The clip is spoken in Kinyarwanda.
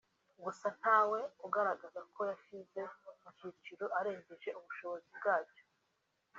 gusa ntawe ugaragaza ko yashyizwe mu cyiciro arengeje ubushobozi bwacyo